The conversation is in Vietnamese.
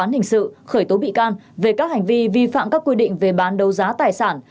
hành vi vi phạm các quy định về bán đấu giá tài sản